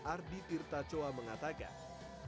ardi tirta chowa mengatakan